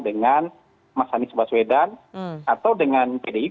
dengan mas anies baswedan atau dengan pdi